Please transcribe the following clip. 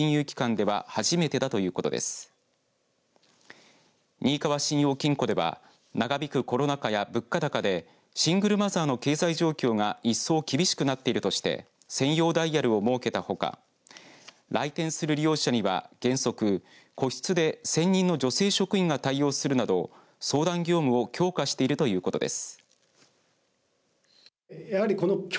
にいかわ信用金庫では長引くコロナ禍や物価高でシングルマザーの経済状況が一層、厳しくなっているとして専用ダイヤルを設けたほか来店する利用者には、原則個室で専任の女性職員が対応するなど相談業務を強化しているということです。